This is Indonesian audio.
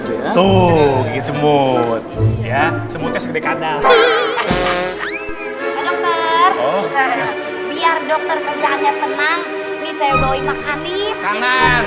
semutnya segede kandang